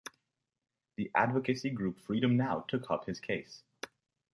The advocacy group Freedom Now took up his case.